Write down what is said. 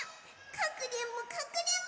かくれんぼかくれんぼ！